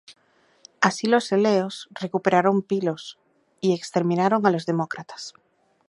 Así los eleos recuperaron Pilos y exterminaron a los demócratas.